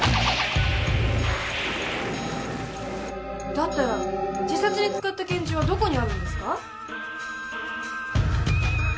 だったら自殺に使った拳銃はどこにあるんですか？